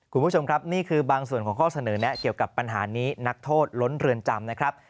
คุณผู้ชมครับนี่คือบางส่วนของข้อเสนอแนะเกี่ยวกับปัญหานี้นักโทษล้นเรือนจำนะครับ